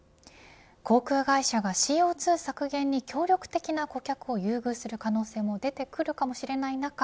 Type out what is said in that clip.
航空会社がＣＯ２削減に協力的な顧客を優遇する可能性も出てくるかもしれない中